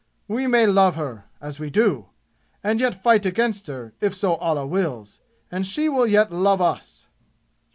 We may love her as we do! and yet fight against her, if so Allah wills and she will yet love us!"